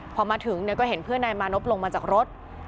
พอมาถึงก็เห็นเพื่อนนายมานพลงมาจากรถ